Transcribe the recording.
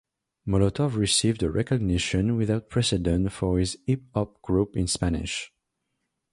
Molotov received a recognition without precedent for a hip-hop group in Spanish.